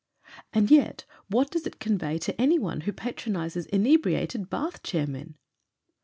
And yet what does it convey to anyone who patronises inebriated bath chair men?